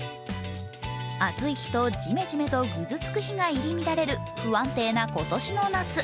暑い日とジメジメとぐずつく日が入り乱れる不安定な今年の夏。